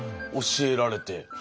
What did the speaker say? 教えられて。